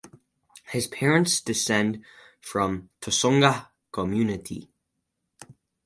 His parents descend from Tsonga community.